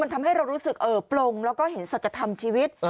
มันทำให้เรารู้สึกปรงและเห็นศัตริฐรรมชีวิต